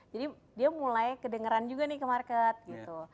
jadi dia mulai kedengeran juga nih ke market gitu